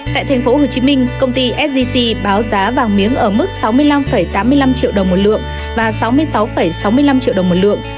tại tp hcm công ty sgc báo giá vàng miếng ở mức sáu mươi năm tám mươi năm triệu đồng một lượng và sáu mươi sáu sáu mươi năm triệu đồng một lượng